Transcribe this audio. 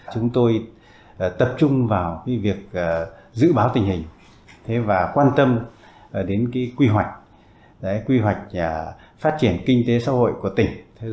chúng tôi tập trung vào việc dự báo tình hình và quan tâm đến quy hoạch quy hoạch phát triển kinh tế xã hội của tỉnh